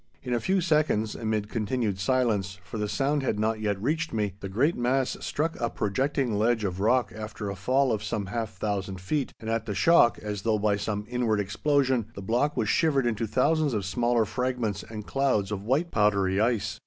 In a few seconds, amid continued silence, for the sound had not yet reached me, the great mass struck a projecting ledge of rock after a fall of some half thousand feet, and at the shock, as though by some inward explosion, the block was shivered into thousands of smaller fragments and clouds of white powdery ice.